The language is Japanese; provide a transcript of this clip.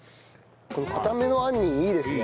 この硬めの杏仁いいですね。